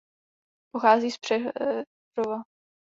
Pochází z Přerova.